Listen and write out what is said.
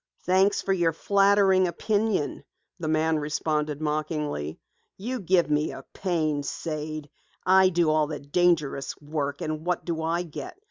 "Thanks for your flattering opinion," the man responded mockingly. "You give me a pain, Sade. I do all the dangerous work, and what do I get?